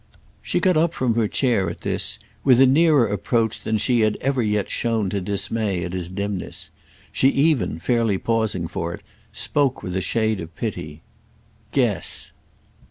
She got up from her chair, at this, with a nearer approach than she had ever yet shown to dismay at his dimness. She even, fairly pausing for it, spoke with a shade of pity. "Guess!"